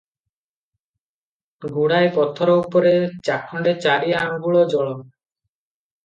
ଗୁଡ଼ାଏ ପଥର ଉପରେ ଚାଖଣ୍ଡେ, ଚାରି ଆଙ୍ଗୁଳ ଜଳ ।